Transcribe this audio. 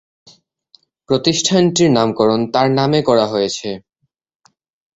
প্রতিষ্ঠানটির নামকরণ তার নামে করা হয়েছে।